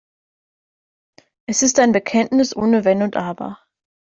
Es ist ein Bekenntnis ohne Wenn und Aber.